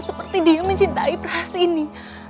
seperti dia mencintai prase ini